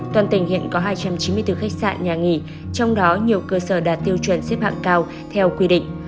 toàn tỉnh hiện có hai trăm chín mươi bốn khách sạn nhà nghỉ trong đó nhiều cơ sở đạt tiêu chuẩn xếp hạng cao theo quy định